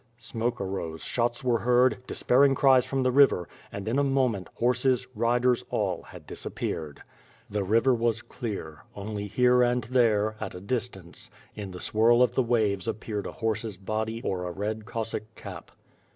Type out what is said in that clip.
Smoke arose, shots were heard, despairing cries from the river; and, in a moment, horses, riders, all had disappeared. The river was clear. Only here and there, at a distance, in the swirl of the waves appeared a horse's body or a red Cos sack cap.